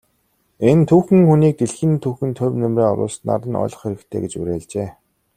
Энэ түүхэн хүнийг дэлхийн түүхэнд хувь нэмрээ оруулснаар нь ойлгох хэрэгтэй гэж уриалжээ.